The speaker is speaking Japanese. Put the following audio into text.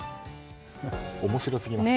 面白すぎますね。